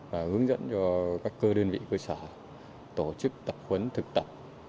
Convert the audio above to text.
và hướng dẫn cho các cơ đơn vị cơ sở tổ chức tập huấn thực tập